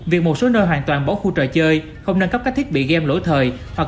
việc một số nơi hoàn toàn bỏ khu trò chơi không nâng cấp các thiết bị gam lỗi thời